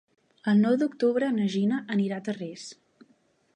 El nou d'octubre na Gina anirà a Tarrés.